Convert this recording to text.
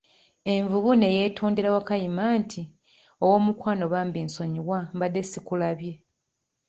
Envubu ne yetondera Wakayima nti, ow'omukwano bambi nsonyiwa, mbadde sikulabye.